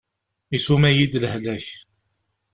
Isuma-yi-d lehlak.